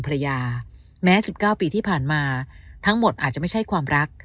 ภรรยาแม้๑๙ปีที่ผ่านมาทั้งหมดอาจจะไม่ใช่ความรัก